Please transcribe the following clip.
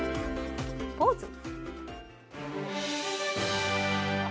ポーズ。